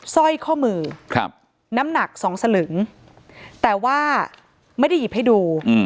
สร้อยข้อมือน้ำหนักสองสลึงแต่ว่าไม่ได้หยิบให้ดู